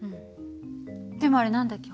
でもあれ何だっけ？